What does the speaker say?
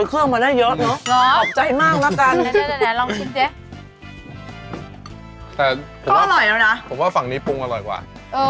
ถ้าสั่งนะผมว่าฝั่งนี้ปรุงอร่อยกว่า